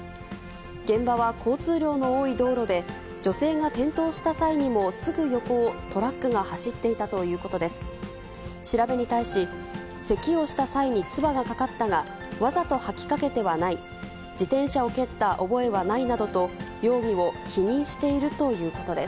現場は交通量の多い道路で、女性が転倒した際にも、すぐ横をトラックが走っていたということです。